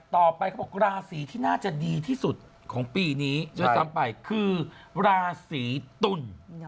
ที่น่าจะดีที่สุดของปีนี้จะตามไปคือราศรีตุล